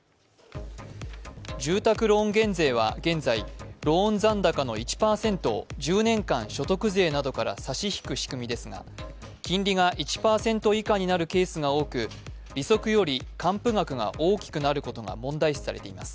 住宅ローン減税は現在、ローン残高の１％を所得税などから差し引く仕組みですが、金利が１％以下になるケースが多く利息より還付額が多くなることがり問題視されています。